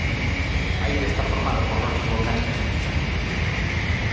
A illa está formada por rochas volcánicas e cristalinas.